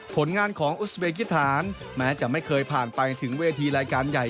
ผลงานของอุสเบกิฐานแม้จะไม่เคยผ่านไปถึงเวทีรายการใหญ่